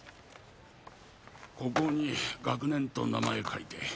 ここに学年と名前書いて。